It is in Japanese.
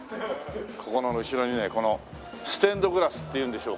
ここの後ろにねこのステンドグラスっていうんでしょうか